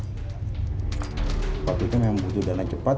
pada saat itu memang butuh dana cepat